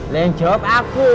loh yang jawab aku